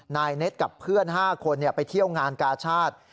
นายเน็ตกับเพื่อน๕คนไปเที่ยวงานกาชาติ